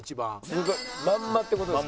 すごいまんまって事ですか？